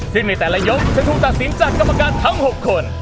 ซึ่งในแต่ละยกจะถูกตัดสินจากกรรมการทั้ง๖คน